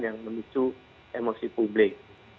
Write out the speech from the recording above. yang memicu emosi publik